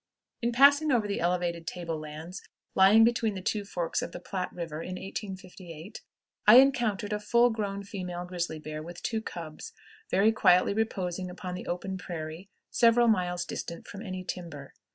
In passing over the elevated table lands lying between the two forks of the Platte River in 1858, I encountered a full grown female grizzly bear, with two cubs, very quietly reposing upon the open prairie, several miles distant from any timber.